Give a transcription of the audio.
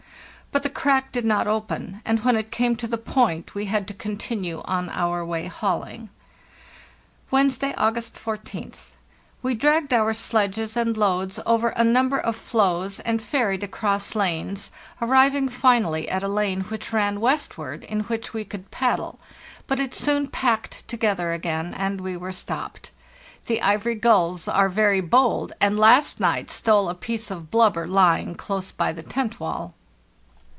But the crack did not open, and when it came to the point we had to continue on our way hauling. "Wednesday, August 14th. We dragged our sledges and loads over a number of floes and ferried across lanes, 350 LARISIL ST MOK TIT arriving finally at a lane which ran westward, in which we could paddle; but it soon packed together again, and we were stopped. The ivory gulls are very bold, and last night stole a piece of blubber lying close by the tent wall."